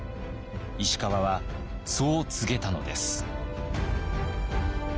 石川はそう告げたのです。